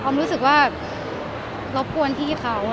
อ้อมรู้สึกว่ารบกวนพี่เขาอะไรอย่างนี้ค่ะ